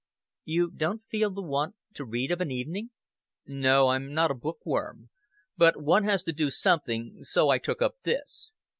"You don't feel the want to read of an evening?" "No, I'm not a book worm. But one has to do something; so I took up this.